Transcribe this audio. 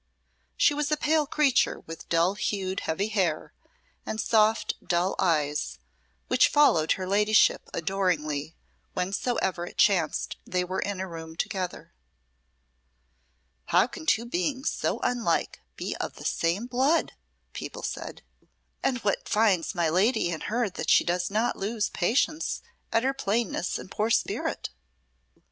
She was a pale creature with dull hued heavy hair and soft dull eyes, which followed her ladyship adoringly whensoever it chanced they were in a room together. "How can two beings so unlike be of the same blood?" people said; "and what finds my lady in her that she does not lose patience at her plainness and poor spirit?"